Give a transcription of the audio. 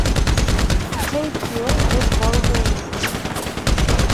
হেই, Theo, বেশ বড়ো হয়ে গেছিস।